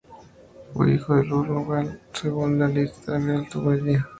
Fue hijo de Ur-Nungal, según la Lista Real Sumeria.